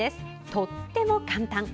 とっても簡単。